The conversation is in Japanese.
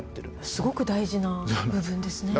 すごく大事な部分ですね。